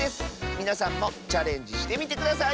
みなさんもチャレンジしてみてください！